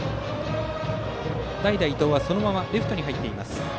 代打の伊藤はそのままレフトに入っています。